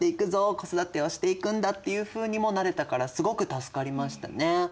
子育てをしていくんだっていうふうにもなれたからすごく助かりましたね。